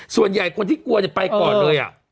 ส่วนใหญ่คนที่กลัวจะไปก่อนเลย